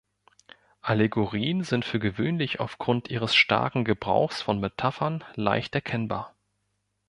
Allegorien sind für gewöhnlich aufgrund ihres starken Gebrauchs von Metaphern leicht erkennbar.